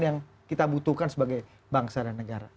yang kita butuhkan sebagai bangsa dan negara